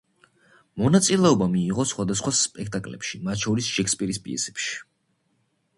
მონაწილეობა მიიღო სხვადასხვა სპექტაკლებში, მათ შორის შექსპირის პიესებში.